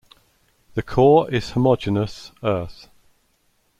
The core is homogeneous, earth.